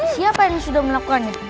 siapa yang sudah melakukannya